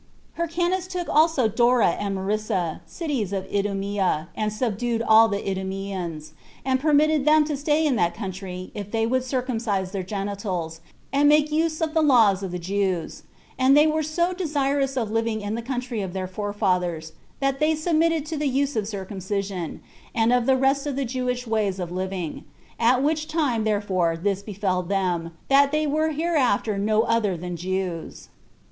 Hyrcanus took also Dora and Marissa, cities of Idumea, and subdued all the Idumeans; and permitted them to stay in that country, if they would circumcise their genitals, and make use of the laws of the Jews; and they were so desirous of living in the country of their forefathers, that they submitted to the use of circumcision, 25 and of the rest of the Jewish ways of living; at which time therefore this befell them, that they were hereafter no other than Jews.